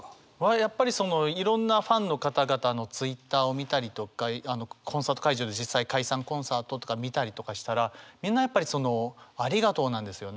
やっぱりそのいろんなファンの方々のＴｗｉｔｔｅｒを見たりとかコンサート会場で実際解散コンサートとか見たりとかしたらみんなやっぱりそのありがとうなんですよね。